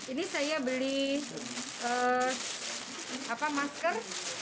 ini saya beli masker